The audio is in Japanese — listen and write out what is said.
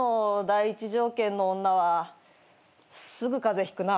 第一条件の女はすぐ風邪ひくな。